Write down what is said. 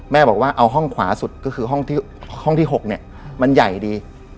บอกว่าเอาห้องขวาสุดก็คือห้องที่๖เนี่ยมันใหญ่ดี